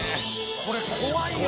これ怖いよ。